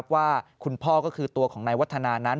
ว่าคุณพ่อก็คือตัวของนายวัฒนานั้น